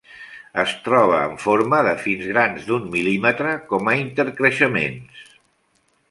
Es troba en forma de fins grans d'un mil·límetre, com a intercreixements.